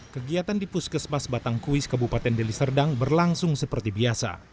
kegiatan di puskesmas batangkuis kabupaten deli serdang berlangsung seperti biasa